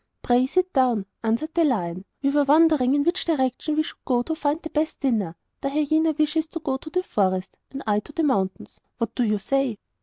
'Pray sit down,' answered the lion. 'We were wondering in which direction we should go to find the best dinner. The hyena wishes to go to the forest, and I to the mountains. What do you say?